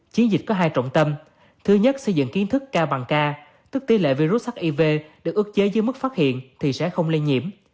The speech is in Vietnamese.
chiến dịch có hai trọng tâm thứ nhất xây dựng kiến thức cao bằng ca tức tỷ lệ virus hiv được ước chế dưới mức phát hiện thì sẽ không lây nhiễm